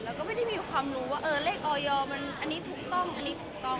แล้วก็ไม่ได้มีความรู้ว่าเออเลขออยมันอันนี้ถูกต้องอันนี้ถูกต้อง